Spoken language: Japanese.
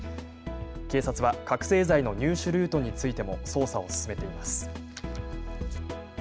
警察は覚醒剤の入手ルートについても捜査を進めています。